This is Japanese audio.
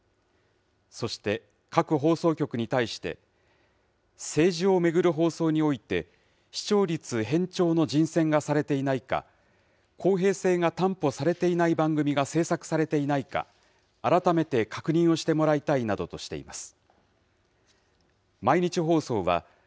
そして、各放送局に対して、政治を巡る放送において、視聴率偏重の人選がされていないか、公平性が担保されていない番組が制作されていないか、改めて確認をしてもらいたいなどとしています。